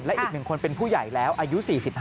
และอีก๑คนเป็นผู้ใหญ่แล้วอายุ๔๕